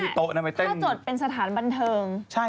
ใช่ถ้าบันเทิงได้